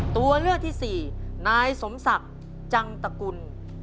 ตัวเลือกที่สี่นายสมศักดิ์จังตกุล